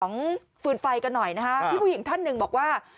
ฟืนไฟกันหน่อยนะฮะพี่ผู้หญิงท่านหนึ่งบอกว่า